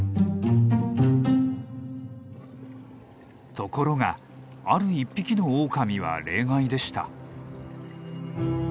ところがある１匹のオオカミは例外でした。